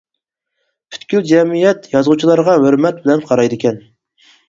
پۈتكۈل جەمئىيەت يازغۇچىلارغا ھۆرمەت بىلەن قارايدىكەن.